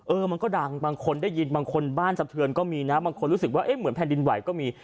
มันก็ดังบางคนได้ยินบางคนบ้านสะเทือนก็มีนะบางคนรู้สึกว่าเอ๊ะเหมือนแผ่นดินไหวก็มี